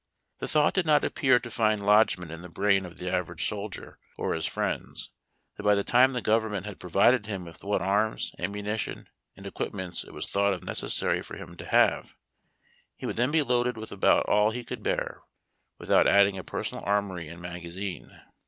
The thought did not appear to find lodgement in the brain of the average soldier or his friends that by the time the govern ment had provided him with what arms, ammunition, and equipments it was thought necessary for him to have, he would then be loaded with about all he could bear, without adding a personal armory and magazine.